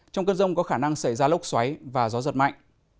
trong cơn rông có khả năng xảy ra lốc xoáy và gió giật mạnh